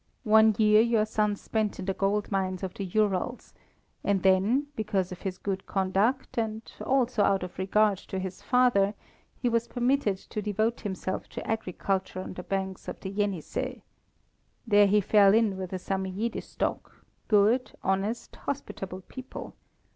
One year your son spent in the gold mines of the Urals, and then, because of his good conduct, and also out of regard to his father, he was permitted to devote himself to agriculture on the banks of the Jenisei. There he fell in with a Samoyede stock, good, honest, hospitable people.